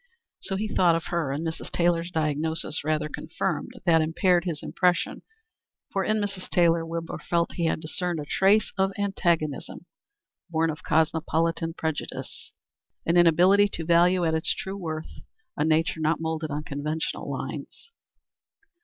So he thought of her, and Mrs. Taylor's diagnosis rather confirmed than impaired his impression, for in Mrs. Taylor Wilbur felt he discerned a trace of antagonism born of cosmopolitan prejudice an inability to value at its true worth a nature not moulded on conventional lines.